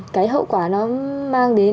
cái hậu quả nó mang đến